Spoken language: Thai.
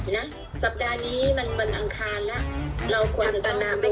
นะสัปดาห์นี้มันอังคารนะเราควรจะต้องดู